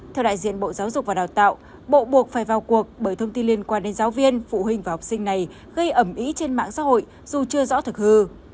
theo đại diện bộ giáo dục và đào tạo bộ buộc phải vào cuộc bởi thông tin liên quan đến giáo viên phụ huynh và học sinh này gây ẩm ý trên mạng xã hội dù chưa rõ thực hư